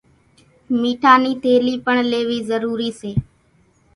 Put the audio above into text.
ميٺا نِي ٿيلي پڻ ليوِي ضرُورِي سي